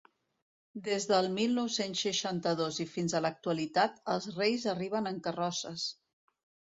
Des del mil nou-cents seixanta-dos i fins a l'actualitat els Reis arriben en carrosses.